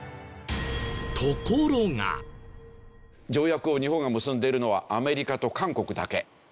条約を日本が結んでいるのはアメリカと韓国だけ。